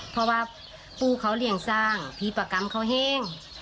เพราะว่าปูเขาเลี้ยงสร้างพี่ประกรรมเขาแห้ง